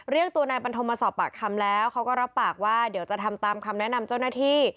เรียกตัวนายปันทมมาสอบปากคำแล้วเขาก็รับปากว่าเดี๋ยวจะทำตามคำแนะนำเจ้าหน้าที่